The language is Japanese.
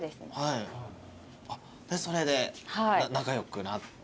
それで仲良くなって。